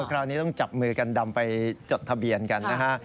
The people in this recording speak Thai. คราวนี้ต้องจับมือกันดำไปจดทะเบียนกันนะฮะ